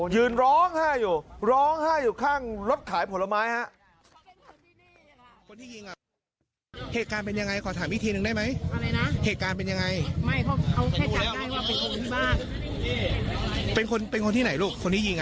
ยืนร้องไห้อยู่ร้องไห้อยู่ข้างรถขายผลไม้ฮะ